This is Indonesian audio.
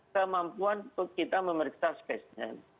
kemampuan kita memeriksa spesimen